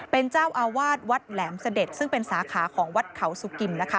เป็นเจ้าอาวาสวัดแหลมเสด็จซึ่งเป็นสาขาของวัดเขาสุกิมนะคะ